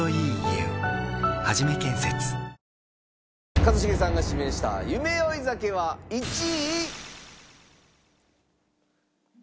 一茂さんが指名した『夢追い酒』は１位。